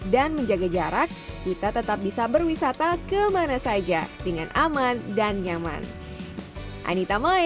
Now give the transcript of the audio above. dan menjaga jarak kita tetap bisa berwisata kemana saja dengan aman dan nyaman